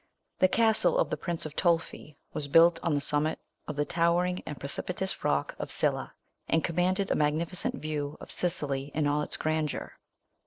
THE castle of the Prince of Tolfi was built on the summit of the tower ing and precipitous rock of Scylla, and commanded a magnificent view of Sicily in all its grandeur.